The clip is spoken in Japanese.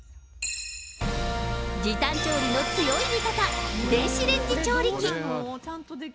時短調理の強い味方、電子レンジ調理器。